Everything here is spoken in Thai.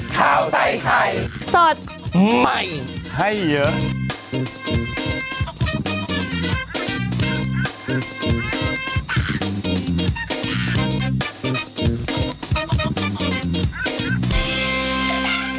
โปรดติดตามตอนต่อไป